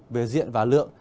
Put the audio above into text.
về diện và lượng